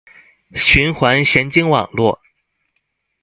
循环神经网络